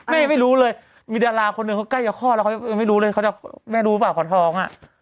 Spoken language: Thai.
แม่ไม่รู้เลยมีดาราคนหนึ่งก็ใกล้จะคลอดแล้วไม่รู้เลยแม่รู้ป่าวของท้องอ่ะ